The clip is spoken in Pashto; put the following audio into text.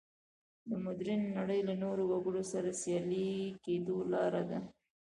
د مډرنې نړۍ له نورو وګړو سره سیال کېدو لاره ده.